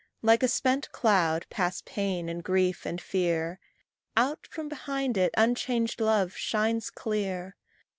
Like a spent cloud pass pain and grief and fear, Out from behind it unchanged love shines clear.